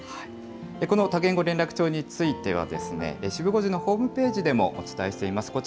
この多言語連絡帳については、シブ５時のホームページでもお伝えしています。